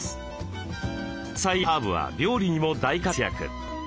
野菜やハーブは料理にも大活躍。